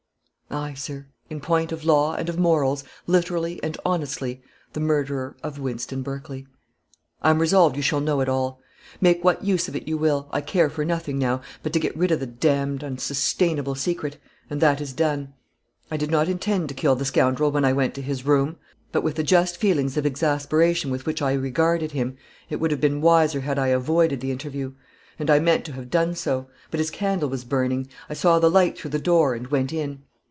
"Aye, sir, in point of law and of morals, literally and honestly, the murderer of Wynston Berkley. I am resolved you shall know it all. Make what use of it you will I care for nothing now, but to get rid of the d d, unsustainable secret, and that is done. I did not intend to kill the scoundrel when I went to his room; but with the just feelings of exasperation with which I regarded him, it would have been wiser had I avoided the interview; and I meant to have done so. But his candle was burning; I saw the light through the door, and went in.